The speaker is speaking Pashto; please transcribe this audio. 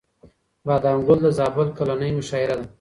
بادام ګل د زابل کلنۍ مشاعره ده.